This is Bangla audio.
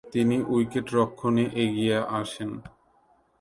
তিনি উইকেট-রক্ষণে এগিয়ে আসেন।